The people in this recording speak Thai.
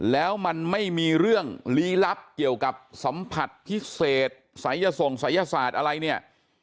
แล้วมันไม่มีเรื่องลี้ลับเกี่ยวกับสัมผัสพิเศษสายส่งศัยศาสตร์อะไรเนี่ย